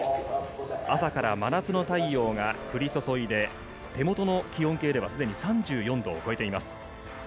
朝から真夏の太陽が降り注いで、手元の気温計で３４度を超えています。